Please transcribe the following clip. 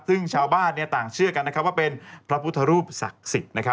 ซึ่งชาวบ้านต่างเชื่อกันว่าเป็นพระพุทธรูปศักดิ์สิทธิ์